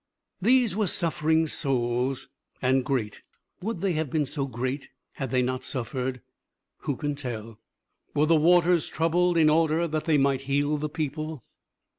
These were suffering souls and great. Would they have been so great had they not suffered? Who can tell? Were the waters troubled in order that they might heal the people?